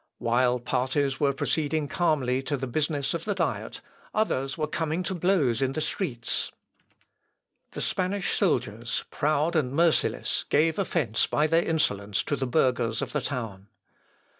While parties were proceeding calmly to the business of the Diet, others were coming to blows in the streets. The Spanish soldiers, proud and merciless, gave offence by their insolence to the burghers of the town.